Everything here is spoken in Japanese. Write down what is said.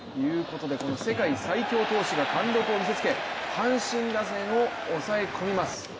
世界最強投手が貫禄を見せつけ阪神打線を抑え込みます。